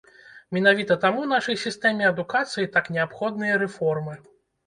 Менавіта таму нашай сістэме адукацыі так неабходныя рэформы.